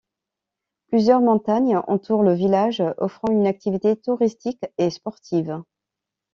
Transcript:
Plusieurs montagnes entourent le village, offrant une activité touristique et sportive.